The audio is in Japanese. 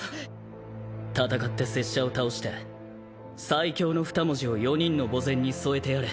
戦って拙者を倒して「最強」の２文字を４人の墓前に添えてやれ。